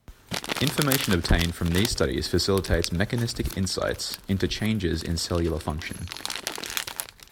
Information obtained from these studies facilitates mechanistic insights into changes in cellular function.